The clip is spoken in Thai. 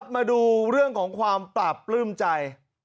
มาดูเรื่องของความปราบปลื้มใจ